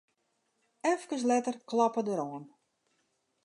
Efkes letter kloppe er oan.